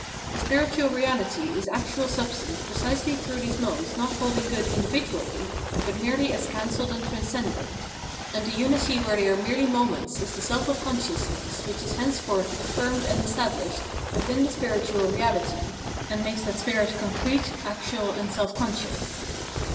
The spiritual reality is actual sub stance precisely through these modes not holding good 424 Phenomenology of Mind individually, but merely as cancelled and transcended ; and the unity where they are merely moments is the self of consciousness which is henceforth affirmed and estabhshed within the spiritual reality, and makes that spirit concrete, actual, and self conscious.